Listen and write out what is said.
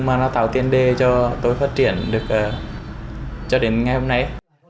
mà nó tạo tiền đề cho tôi phát triển được cho đến ngày hôm nay